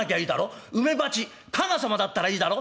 梅鉢加賀様だったらいいだろ？